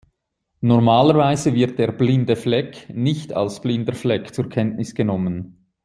Normalerweise wird der "Blinde Fleck" nicht als blinder Fleck zur Kenntnis genommen.